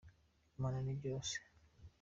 Imana ni byose.